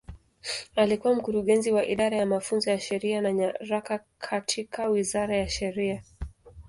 Alikuwa Mkurugenzi wa Idara ya Mafunzo ya Sheria na Nyaraka katika Wizara ya Sheria.